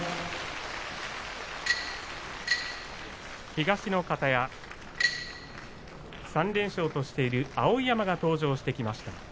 東の方屋、３連勝としている碧山が登場してきました。